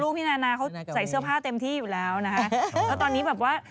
เขาใส่เที่ยวภาพเต็มที่อยู่แล้วนะครับแล้วตอนนี้แบบว่า